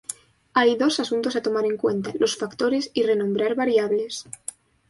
Hay dos asuntos a tomar en cuenta: los factores y renombrar variables.